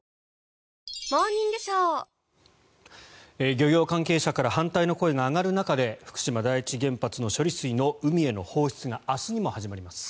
漁業関係者から反対の声が上がる中で福島第一原発の処理水の海への放出が明日にも始まります。